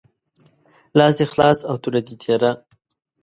لاس دي خلاص او توره دي تیره